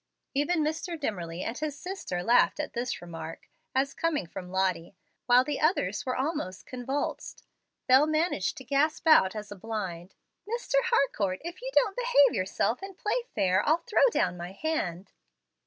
Even Mr. Dimmerly and his sister laughed at this remark, as coming from Lottie, while the others were almost convulsed. Bel managed to gasp out, as a blind, "Mr. Harcourt, if you don't behave yourself and play fair, I'll throw down my hand."